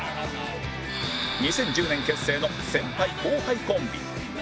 ２０１０年結成の先輩後輩コンビ